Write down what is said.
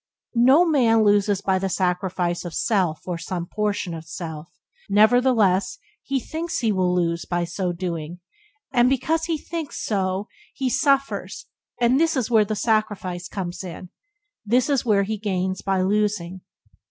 No man loses by the sacrifice of self, or some portion of self; nevertheless, he thinks he will lose by so doing, and because he so thinks he suffers and this is where the sacrifice comes in — this is where he gains by losing.